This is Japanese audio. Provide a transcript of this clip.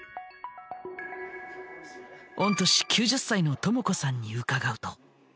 御年９０歳の友子さんに伺うと。